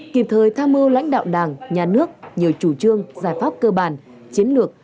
kịp thời tham mưu lãnh đạo đảng nhà nước nhiều chủ trương giải pháp cơ bản chiến lược